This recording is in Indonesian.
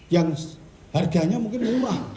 yang harganya mungkin murah